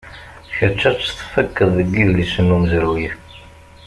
Kečč ad tt-tfakkeḍ deg idlisen umezruy.